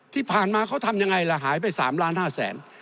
ที่ผ่านมาเขาทำยังไงล่ะหายไป๓ล้าน๕แสน